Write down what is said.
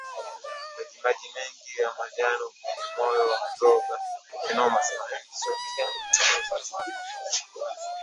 Majimaji mengi ya manjano kwenye moyo wa mzoga